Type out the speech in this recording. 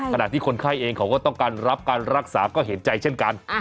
ขณะที่คนไข้เองเขาก็ต้องการรับการรักษาก็เห็นใจเช่นกัน